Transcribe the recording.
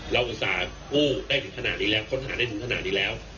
อุตส่าห์กู้ได้ถึงขนาดนี้แล้วค้นหาได้ถึงขนาดนี้แล้ว